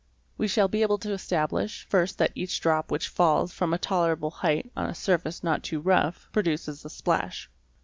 We shall be able to establish, first that each drop which falls from a tolerable height on _ a surface not too rough, produces a splash.